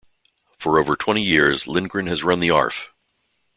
For over twenty years, Lindgren has run the Arf!